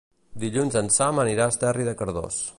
Dilluns en Sam anirà a Esterri de Cardós.